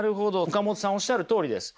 岡本さんおっしゃるとおりです。